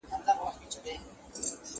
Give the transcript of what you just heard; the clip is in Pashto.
په اسلامي شریعت کي ملکیت خوندي ساتل کیږي.